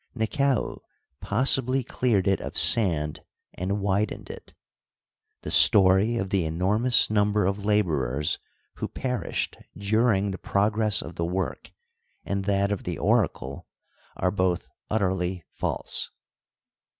Nekau possibly cleared it of sand and widened it. The story of the enormous number of laborers who perished during the progress of the work and that of the oracle are both utterly false.